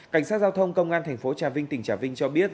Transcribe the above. cảnh sát giao thông công an thành phố trà vinh tỉnh trà vinh cho biết